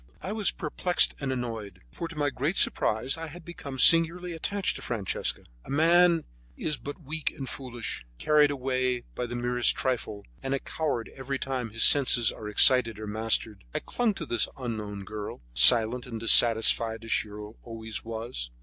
I was perplexed and annoyed, for to my great surprise I had become singularly attached to Francesca. A man is but weak and foolish, carried away by the merest trifle, and a coward every time that his senses are excited or mastered. I clung to this unknown girl, silent and dissatisfied as she always was.